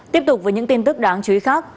tiếp tục với những tin tức đáng chú ý khác